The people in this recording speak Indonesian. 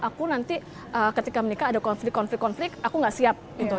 aku nanti ketika menikah ada konflik konflik aku gak siap gitu